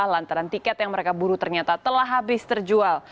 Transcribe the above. lantaran tiket yang mereka buru ternyata telah habis terjual